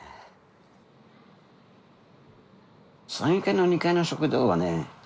山友会の２階の食堂はね